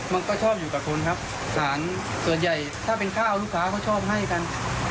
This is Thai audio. มันก็ชอบอยู่กับคนครับสารส่วนใหญ่ถ้าเป็นข้าวลูกค้าก็ชอบให้กัน